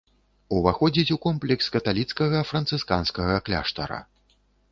Уваходзіць у комплекс каталіцкага францысканскага кляштара.